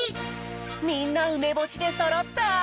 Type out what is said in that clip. みんな「うめぼし」でそろった！